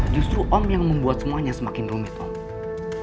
justru om yang membuat semuanya semakin rumit om